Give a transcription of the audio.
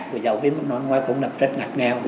của giáo viên mầm non ngoài công lập rất ngạc nghèo